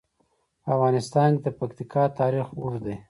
په افغانستان کې د پکتیکا تاریخ اوږد دی.